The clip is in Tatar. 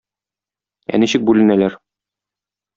Ә ничек бүленәләр?